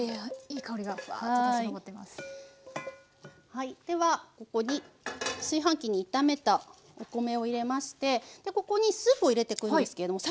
はいではここに炊飯器に炒めたお米を入れましてここにスープを入れてくんですけれども。